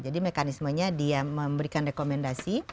jadi mekanismenya dia memberikan rekomendasi